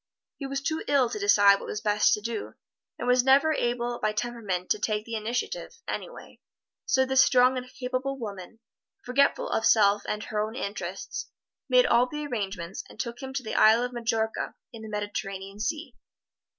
He was too ill to decide what was best to do, and was never able by temperament to take the initiative, anyway, so this strong and capable woman, forgetful of self and her own interests, made all the arrangements and took him to the Isle of Majorca in the Mediterranean Sea.